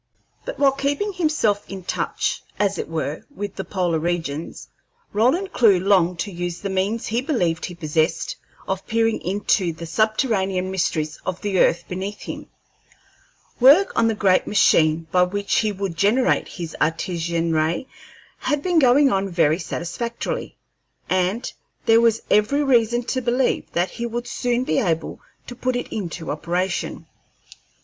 But while keeping himself in touch, as it were, with the polar regions, Roland Clewe longed to use the means he believed he possessed of peering into the subterranean mysteries of the earth beneath him. Work on the great machine by which he would generate his Artesian ray had been going on very satisfactorily, and there was every reason to believe that he would soon be able to put it into operation.